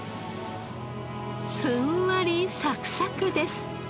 ふんわりサクサクです。